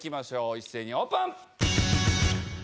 一斉にオープン！